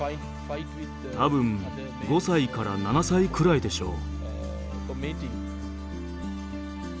多分５歳から７歳くらいでしょう。